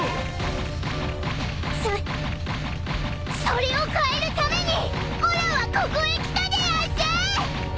それを変えるためにおらはここへ来たでやんす！